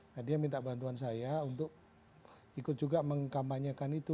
nah dia minta bantuan saya untuk ikut juga mengkampanyekan itu